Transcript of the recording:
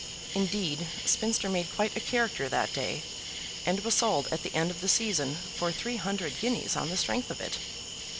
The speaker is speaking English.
Indeed Spinster made quite a character that day, and was sold at the end of the season for three hundred guineas on the strength of it.